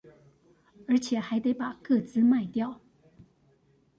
而且還得把個資賣掉